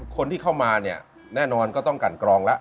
คนที่เข้ามาเนี่ยแน่นอนก็ต้องกันกรองแล้ว